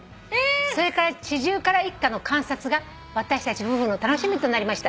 それからシジュウカラ一家の観察が私たち夫婦の楽しみとなりました」